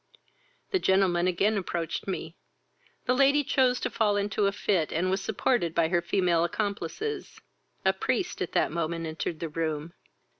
The gentleman again approached me; the lady chose to fall into a fit, and was supported by her female accomplices. A priest at that moment entered the room.